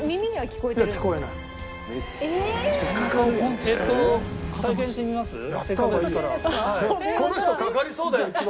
この人かかりそうだよ一番。